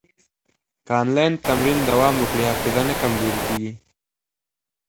که انلاین تمرین دوام وکړي، حافظه نه کمزورې کېږي.